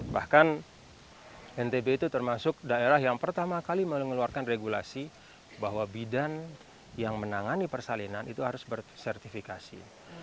bahkan ntb itu termasuk daerah yang pertama kali mengeluarkan regulasi bahwa bidan yang menangani persalinan itu harus bersertifikasi